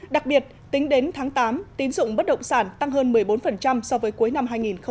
đặc biệt tính đến tháng tám tín dụng bất động sản tăng hơn một mươi bốn so với cuối năm hai nghìn một mươi tám